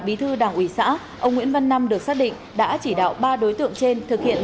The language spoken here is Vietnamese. bí thư đảng ủy xã ông nguyễn văn năm được xác định đã chỉ đạo ba đối tượng trên thực hiện